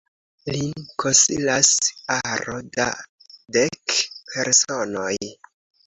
Lin konsilas aro da dek personoj.